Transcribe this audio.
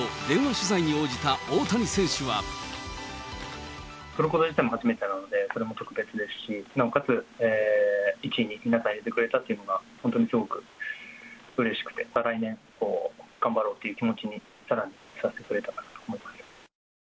取ること自体も初めてなので、それも特別ですし、なおかつ１位に皆さん入れてくれたのが、本当に評価がうれしくて、また来年、頑張ろうという気持ちにさらにさせてくれたと思います。